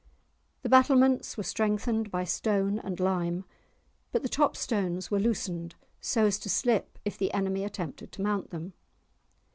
The battlements were strengthened by stone and lime, but the top stones were loosened so as to slip if the enemy attempted to mount them.